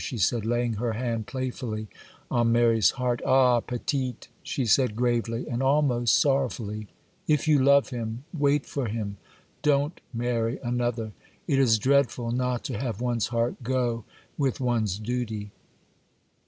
she said, laying her hand playfully on Mary's heart. 'Ah, petite!' she said, gravely, and almost sorrowfully, 'if you love him, wait for him,—don't marry another! It is dreadful not to have one's heart go with one's duty.